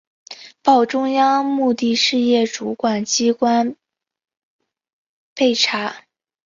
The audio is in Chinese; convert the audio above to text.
报中央目的事业主管机关备查